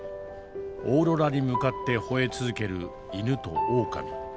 オーロラに向かってほえ続ける犬とオオカミ。